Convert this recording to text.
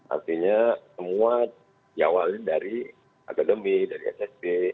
artinya semua ya awalnya dari akademi dari sst